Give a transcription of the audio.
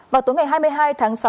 vào tối ngày hai mươi hai tháng sáu